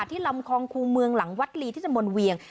ที่ลำครองคู่เมืองหลังวัดรีที่จำบลเวียง